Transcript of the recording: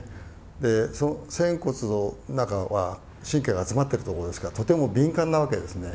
でその仙骨の中は神経が集まってるとこですからとても敏感なわけですね。